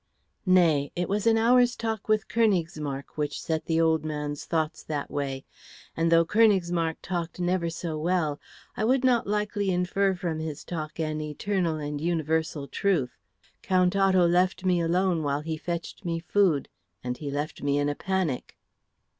"Nay, it was an hour's talk with Königsmarck which set the old man's thoughts that way; and though Königsmarck talked never so well, I would not likely infer from his talk an eternal and universal truth. Count Otto left me alone while he fetched me food, and he left me in a panic."